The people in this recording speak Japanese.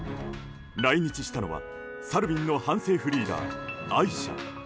来日したのはサルウィンの反政府リーダー、アイシャ。